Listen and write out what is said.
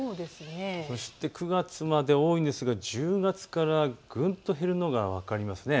そして９月まで多いんですが１０月からぐっと減るのが分かります。